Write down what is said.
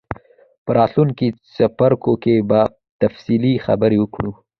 په راتلونکو څپرکو کې به تفصیلي خبرې وکړو.